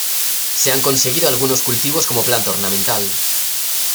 Se han conseguido algunos cultivos como planta ornamental.